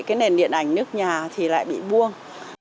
cái nền điện ảnh nước nhà thì lại bị buông